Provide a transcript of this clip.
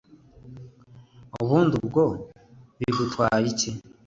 ubundi bwo bigutwayiki